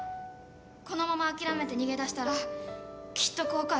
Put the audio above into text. このまま諦めて逃げ出したらきっと後悔する。